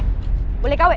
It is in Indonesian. eh boleh kawet